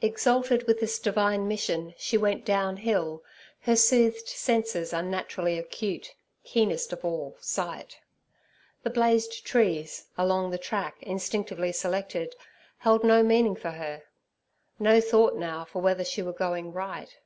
Exalted with this divine mission, she went downhill, her soothed senses unnaturally acute, keenest of all sight. The blazed trees, along the track instinctively selected, held no meaning for her. No thought now for whether she were going right.